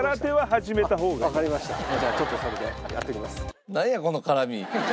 じゃあちょっとそれでやってみます。